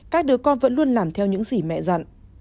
các đứa con vẫn luôn làm theo những gì mẹ dặn